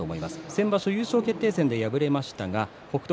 先場所、優勝決定戦で敗れましたが北勝